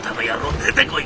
出てこい！